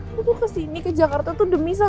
aku tuh kesini ke jakarta tuh demi sal